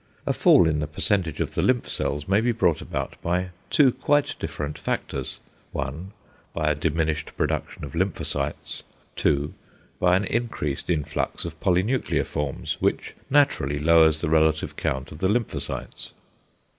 A fall in the percentage of the lymph cells may be brought about by two quite different factors: (1) by a diminished production of lymphocytes, (2) by an increased influx of polynuclear forms, which naturally lowers the relative count of the lymphocytes.